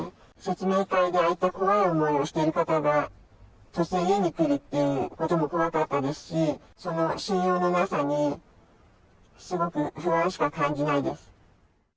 説明会でああいった怖い思いをしてる方が突然家に来るっていうことも怖かったですし、その信用のなさにすごく不安しか感じないです。